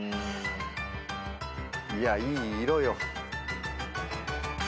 いやいい色よ。